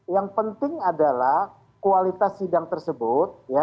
yang penting adalah kualitas sidang tersebut